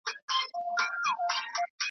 پاس پر ونو ځالګۍ وې د مرغانو .